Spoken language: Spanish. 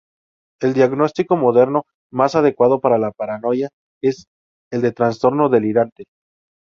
El diagnóstico moderno más adecuado para la paranoia es el de trastorno delirante.